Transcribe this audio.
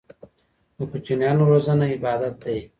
د کوچنيانو روزنه عبادت دی.